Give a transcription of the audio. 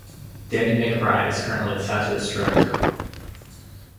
David McBride is currently the center's director.